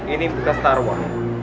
ini buka star wars